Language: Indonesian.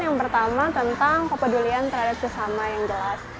yang pertama tentang kepedulian terhadap sesama yang jelas